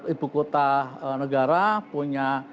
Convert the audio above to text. ibu kota negara punya